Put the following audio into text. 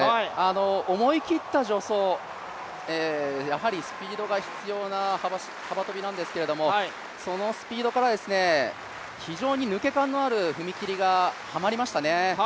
思い切った助走、やはりスピードが必要な幅跳びなんですけれども、そのスピードから非常に抜け感のある踏切がはまりましたね。